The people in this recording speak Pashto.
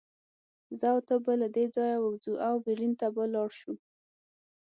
زه او ته به له دې ځایه ووځو او برلین ته به لاړ شو